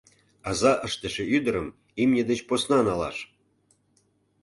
Аза ыштыше ӱдырым имне деч посна налаш!..